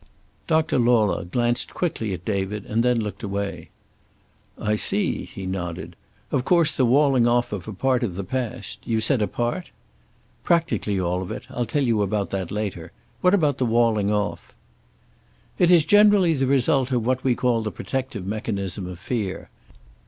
Doctor Lauler glanced quickly at David and then looked away. "I see," he nodded. "Of course the walling off of a part of the past you said a part ?" "Practically all of it. I'll tell you about that later. What about the walling off?" "It is generally the result of what we call the protective mechanism of fear.